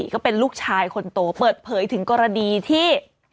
ก็เป็นลูกชายคนโตเปิดเผยถึงกรณีที่